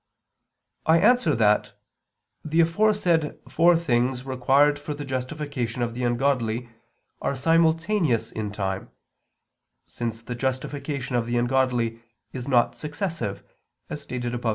I answer that, The aforesaid four things required for the justification of the ungodly are simultaneous in time, since the justification of the ungodly is not successive, as stated above (A.